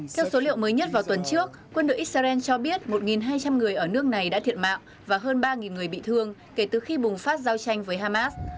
theo số liệu mới nhất vào tuần trước quân đội israel cho biết một hai trăm linh người ở nước này đã thiệt mạng và hơn ba người bị thương kể từ khi bùng phát giao tranh với hamas